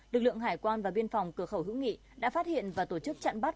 lực lượng hải quan và biên phòng cửa khẩu hữu nghị đã phát hiện và tổ chức chặn bắt